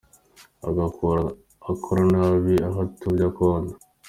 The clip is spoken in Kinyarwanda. Agakura akora nabi, aho yatobye akondo.